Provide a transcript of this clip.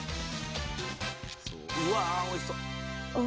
うわおいしそ！